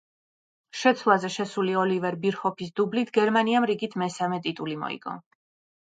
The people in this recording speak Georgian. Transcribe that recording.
შეცვლაზე შესული ოლივერ ბირჰოფის დუბლით გერმანიამ რიგით მესამე ტიტული მოიგო.